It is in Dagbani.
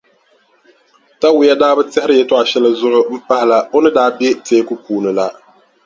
Tawia daa bi tɛhiri yɛltɔɣʼ shɛli zuɣu m-pahila o ni daa be teeku puuni la.